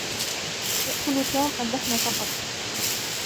يأكل توم اللحم فقط.